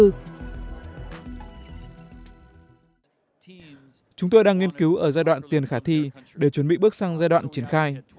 trong khi có sức mạnh chúng tôi đang nghiên cứu ở giai đoạn tiền khả thi để chuẩn bị bước sang giai đoạn triển khai